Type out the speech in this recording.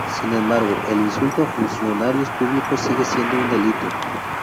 Sin embargo, el insulto a funcionarios públicos sigue siendo un delito.